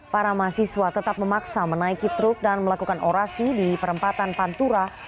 para mahasiswa tetap memaksa menaiki truk dan melakukan orasi di perempatan pantura